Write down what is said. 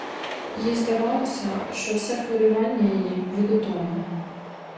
Їй здавалося, що все хвилювання її від утоми.